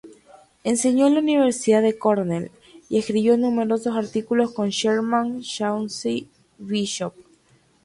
Enseñó en la Universidad de Cornell y escribió numerosos artículos con Sherman Chauncey Bishop.